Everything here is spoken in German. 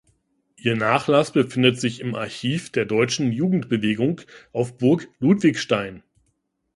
Ihr Nachlass befindet sich im Archiv der deutschen Jugendbewegung auf Burg Ludwigstein.